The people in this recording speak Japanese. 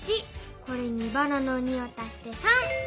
これにばらの２をたして３！